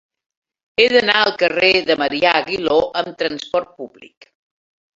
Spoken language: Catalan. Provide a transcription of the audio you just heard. He d'anar al carrer de Marià Aguiló amb trasport públic.